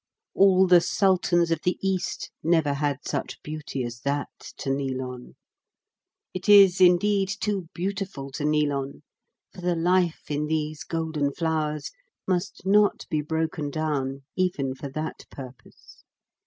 All the Sultans of the East never had such beauty as that to kneel on. It is, indeed, too beautiful to kneel on, for the life in these golden flowers must not be broken down even for that purpose.